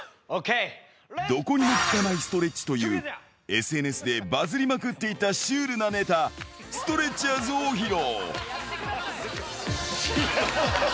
どこにも効かないストレッチという、ＳＮＳでバズりまくっていたシュールなネタ、ストレッチャーズを披露。